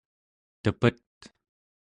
tepet